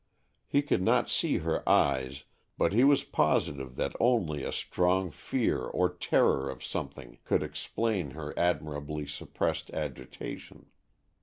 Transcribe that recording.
He could not see her eyes, but he was positive that only a strong fear or terror of something could explain her admirably suppressed agitation.